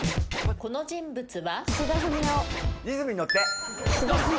この人物は？